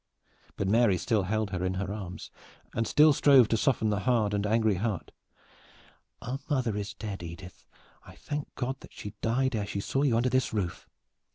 But Mary still held her in her arms, and still strove to soften the hard and angry heart. "Our mother is dead, Edith. I thank God that she died ere she saw you under this roof!